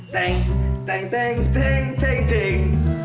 teng teng teng teng teng teng